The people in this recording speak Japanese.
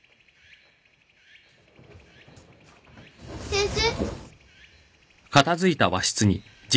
先生？